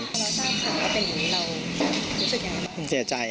แล้วถ้าคุณคุณจะถามว่าเป็นอย่างรู้อยู่ชฎี่ภายในโลก